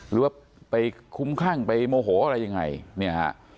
หรือว่าไปคุ้มคลั่งไปโมโหอะไรยังไงเนี่ยฮะ